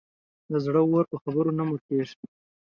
د زړه اور په خبرو نه مړ کېږي.